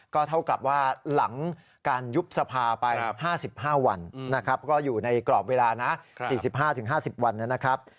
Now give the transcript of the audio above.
ก็เท่ากับว่าหลังการยุบสภาไป๕๕วันนะครับก็อยู่ในกรอบเวลานะ๔๕๕๐วันนะครับ